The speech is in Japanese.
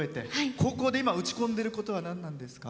高校で今打ち込んでいることはなんなんですか？